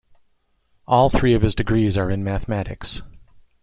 All three of his degrees are in mathematics.